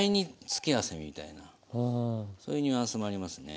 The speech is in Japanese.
付け合わせみたいなそういうニュアンスもありますね。